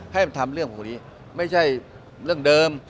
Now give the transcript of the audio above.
ให้มันทำเรื่องพวกนี้ไม่ใช่เรื่องเดิม